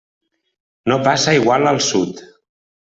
No passa igual al Sud.